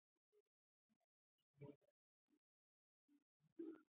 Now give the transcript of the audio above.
موږ بیا درې واړه شیطانان وويشتل.